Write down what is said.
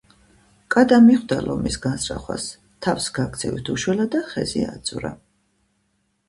კატა მიხვდა ლომის განზრახვას, თავს გაქცევით უშველა და ხეზე აძვრა